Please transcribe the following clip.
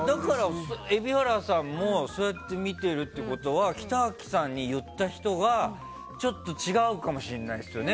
蛯原さんもそうやって見てるってことは北脇さんに言った人が、ちょっと違うかもしれないですよね。